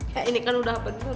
ya ini kan udah peduli